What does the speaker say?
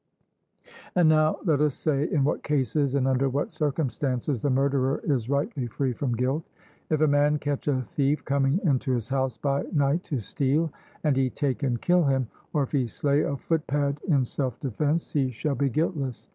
And now let us say in what cases and under what circumstances the murderer is rightly free from guilt: If a man catch a thief coming into his house by night to steal, and he take and kill him, or if he slay a footpad in self defence, he shall be guiltless.